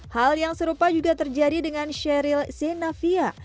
hal yang serupa juga terjadi dengan sheryl senavia